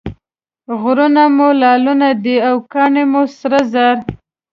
غرونه مو لعلونه دي او کاڼي مو سره زر.